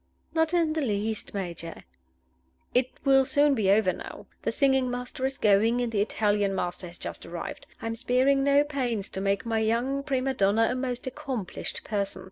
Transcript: "Not in the least, Major." "It will soon be over now. The singing master is going, and the Italian master has just arrived. I am sparing no pains to make my young prima donna a most accomplished person.